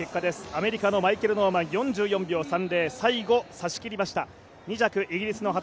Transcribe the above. アメリカのマイケル・ノーマン４４秒３０、最後さしきりました。